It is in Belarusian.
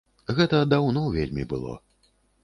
Гэта даўно вельмі было.